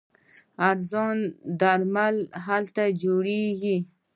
ارزانه درمل هلته جوړیږي.